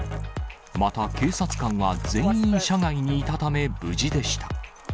また、警察官は全員車外にいたため無事でした。